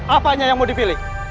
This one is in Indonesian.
apanya yang mau dipilih